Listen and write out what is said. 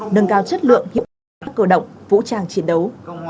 nâng cao chất lượng hiệu quả các cơ động vũ trang chiến đấu